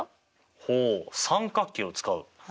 ほう三角形を使う？